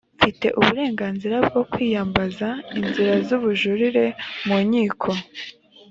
mfite uburenganzira bwo kwiyambaza inzira z ubujurire mu nkiko